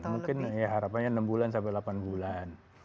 mungkin ya harapannya enam bulan sampai delapan bulan